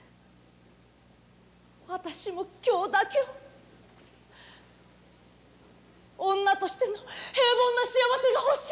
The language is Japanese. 私も今日だけは女としての平凡な幸せがほしい。